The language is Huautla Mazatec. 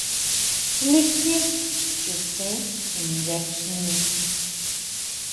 ¿Likie Chuʼsén inchakjine?